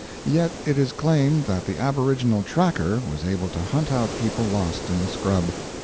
Yet it is claimed that the aboriginal "tracker" was able to hunt out people lost in the scrub.